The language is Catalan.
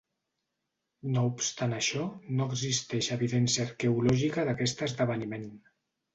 No obstant això, no existeix evidència arqueològica d'aquest esdeveniment.